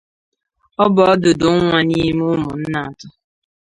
Ọ bụ ọdụdụ nwa n'ime ụmụnne atọ.